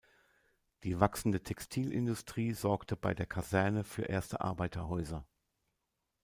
Die wachsende Textilindustrie sorgte bei der Kaserne für erste Arbeiterhäuser.